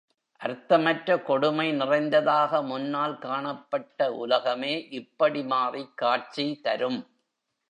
அர்த்தமற்ற கொடுமை நிறைந்ததாக முன்னால் காணப்பட்ட உலகமே இப்படி மாறிக் காட்சி தரும்.